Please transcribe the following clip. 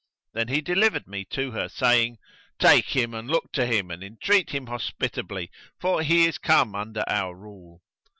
Then he delivered me to her, saying, "Take him and look to him and entreat him hospitably, for he is come under our rule."